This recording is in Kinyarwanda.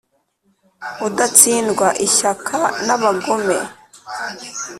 udatsindwa ishyaka n'abagome.